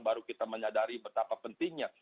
baru kita menyadari betapa pentingnya